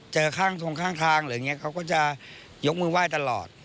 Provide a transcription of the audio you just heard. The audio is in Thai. เจอทางที่นี่เขาก็จะยกมือไหว้ตลอด